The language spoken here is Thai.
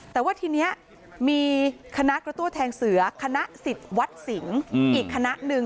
แต่ว่าทีนี้มีคณะกระตั้วแทงเสือคณะสิทธิ์วัดสิงศ์อีกคณะหนึ่ง